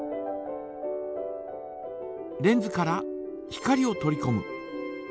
レンズから光を取りこむ。